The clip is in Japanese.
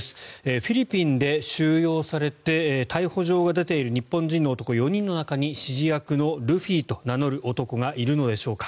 フィリピンで収容されて逮捕状が出ている日本人の男４人の中に指示役のルフィと名乗る男がいるのでしょうか。